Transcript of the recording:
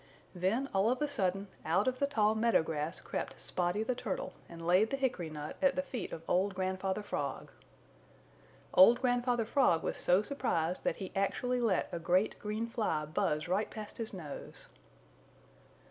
Then all of a sudden, out of the tall meadow grass crept Spotty the Turtle and laid the hickory nut at the feet of old Grandfather Frog. Old Grandfather Frog was so surprised that he actually let a great green fly buzz right past his nose.